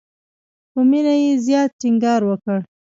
په مینه یې زیات ټینګار وکړ.